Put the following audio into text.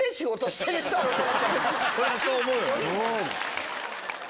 そりゃそう思うよ！